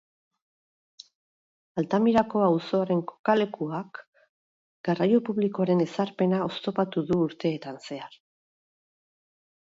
Altamirako auzoaren kokalekuak, garraio publikoaren ezarpena oztopatu du urteetan zehar.